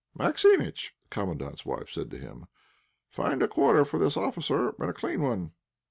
"Maximitch," the Commandant's wife said to him, "find a quarter for this officer, and a clean one."